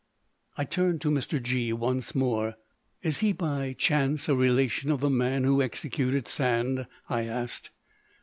I turned to Mr. G——once more. "Is he, by chance, a relation of the man who executed Sand?" I asked.